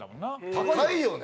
高いよね。